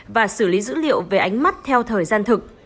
và xử lý dữ liệu về ánh mắt theo thời gian thực